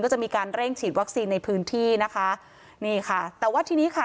จะมีการเร่งฉีดวัคซีนในพื้นที่นะคะนี่ค่ะแต่ว่าทีนี้ค่ะ